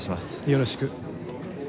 よろしく。